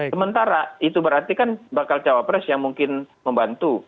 sementara itu berarti kan bakal cawapres yang mungkin membantu